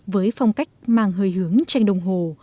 với phong cách mang hơi hướng tranh đồng hồ